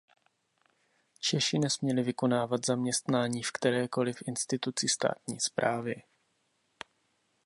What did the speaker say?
Češi nesměli vykonávat zaměstnání v kterékoliv instituci státní správy.